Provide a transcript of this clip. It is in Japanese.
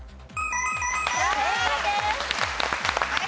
正解です。